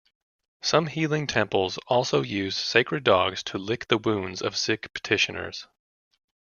Some healing temples also used sacred dogs to lick the wounds of sick petitioners.